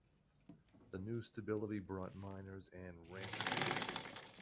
The new stability brought miners and ranchers.